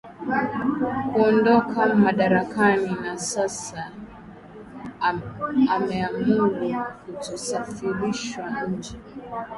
kuondoka madarakani na sasa ameamuru kutosafirishwa nje